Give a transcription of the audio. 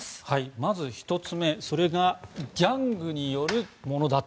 まず１つ目、それがギャングによるものだと。